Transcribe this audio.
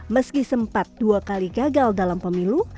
meski sempat dua kali gagal dalam pemilu